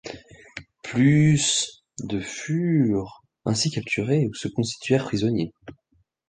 Plus de furent ainsi capturés ou se constituèrent prisonniers.